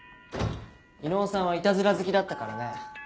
伊能さんはイタズラ好きだったからね。